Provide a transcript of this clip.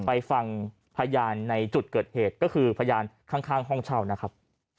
ไปฟังพยานในจุดเกิดเหตุก็คือพยานข้างห้องเช่านะครับ